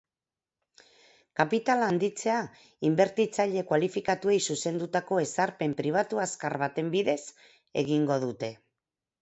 Kapitala handitzea inbertitzaile kualifikatuei zuzendutako ezarpen pribatu azkar baten bidez egingo dute.